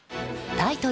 タイトル